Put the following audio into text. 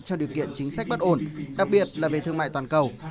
cho điều kiện chính sách bất ổn đặc biệt là về thương mại toàn cầu